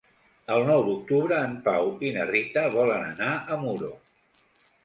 El nou d'octubre en Pau i na Rita volen anar a Muro.